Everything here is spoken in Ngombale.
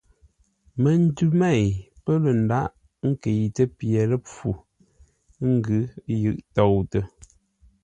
Məndʉ mêi pə̂ lə̂ ndághʼ ńkəitə́ pye ləpfû, ə́ ngʉ́ yʉʼ toutə.